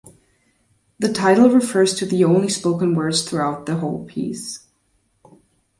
The title refers to the only spoken words throughout the whole piece.